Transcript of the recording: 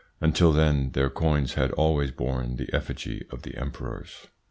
Until then their coins had always borne the effigy of the emperors.